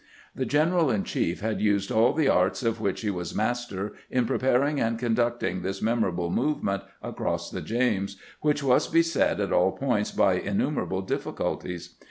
The general in chief had used all the arts of which he was master in preparing and conducting this memorable movement across the James, which was beset at all points by innumerable difficulties.